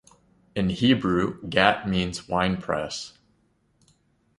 In Hebrew, "gat" means "winepress".